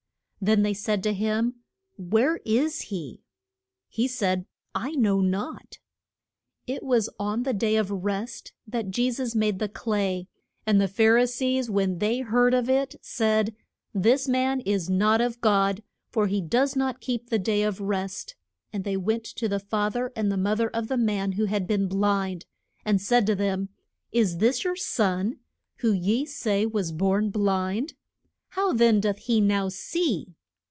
Then they said to him, Where is he? He said, I know not. [Illustration: "ONCE I WAS BLIND, BUT NOW I SEE."] It was on the day of rest that Je sus made the clay, and the Phar i sees, when they heard of it, said, This man is not of God, for he does not keep the day of rest. And they went to the fa ther and the mo ther of the man who had been blind, and said to them, Is this your son, who ye say was born blind? How then doth he now see?